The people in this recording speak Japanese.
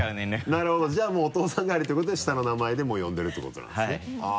なるほどじゃあもうお父さん代わりってことで下の名前でもう呼んでるってことなんですね？